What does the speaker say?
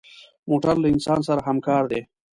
موټر له انسان سره همکار دی.